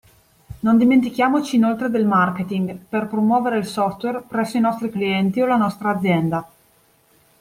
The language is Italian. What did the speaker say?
Non dimentichiamoci inoltre del marketing per promuovere il software presso i nostri clienti o la nostra azienda.